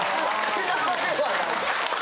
毛玉ではない。